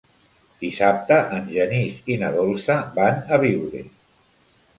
Dissabte en Genís i na Dolça van a Biure.